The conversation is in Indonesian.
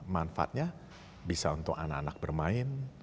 manfaatnya bisa untuk anak anak bermain